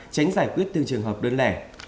tránh giải quyết từ trường hợp đơn lẻ